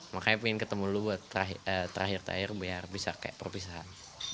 makanya pengen ketemu dulu buat terakhir terakhir biar bisa kayak perpisahan